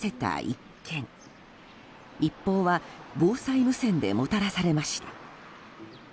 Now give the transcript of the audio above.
一報は防災無線でもたらされました。